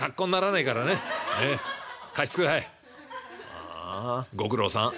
「はあご苦労さん。